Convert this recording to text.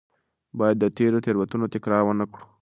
باید د تېرو تېروتنو تکرار ونه کړو.